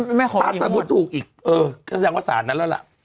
ไม่ขอมีอีกหมดเออถ้าสมมุติถูกอีกก็แสดงว่าศาลนั้นแล้วล่ะ